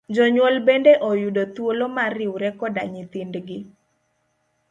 Jonyuol bende oyudo thuolo mar riwre koda nyithind gi.